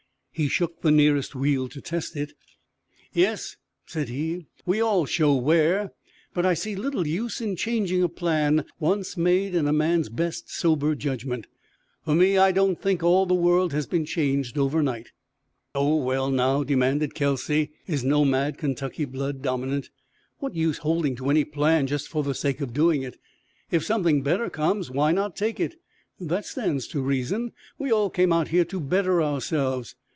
He shook the nearest wheel to test it. "Yes," said he, "we all show wear. But I see little use in changing a plan once made in a man's best sober judgment. For me, I don't think all the world has been changed overnight." "Oh, well, now," demanded Kelsey, his nomad Kentucky blood dominant, "what use holding to any plan just for sake of doing it? If something better comes, why not take it? That stands to reason. We all came out here to better ourselves.